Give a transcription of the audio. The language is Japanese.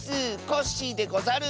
コッシーでござる！